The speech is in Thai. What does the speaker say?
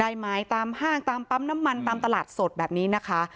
ได้ไหมตามห้างตามปั๊มน้ำมันตามตลาดสดแบบนี้นะคะ